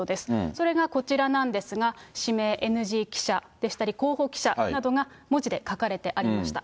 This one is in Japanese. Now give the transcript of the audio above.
それがこちらなんですが、指名ＮＧ記者でしたり、候補記者などが文字で書かれてありました。